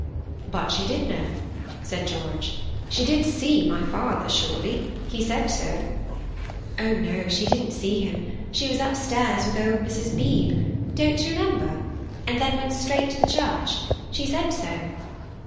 "But she did know," said George; "she did see my father, surely. He said so." "Oh, no, she didn't see him. She was upstairs with old Mrs. Beebe, don't you remember, and then went straight to the church. She said so."